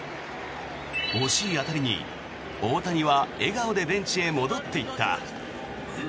惜しい当たりに大谷は笑顔でベンチに戻っていった。